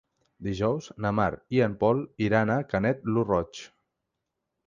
Dijous na Mar i en Pol iran a Canet lo Roig.